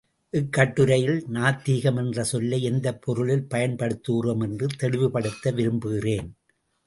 இக்கட்டுரையில் நாத்திகம் என்ற சொல்லை எந்தப் பொருளில் பயன்படுத்துகிறோம் என்று தெளிவுபடுத்த விரும்புகிறேன்.